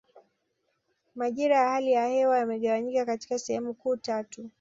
Majira ya hali ya hewa yamegawanyika katika sehemu kuu tatu